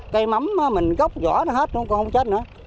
cây mắm mình gốc vỏ ra hết nó còn không chết nữa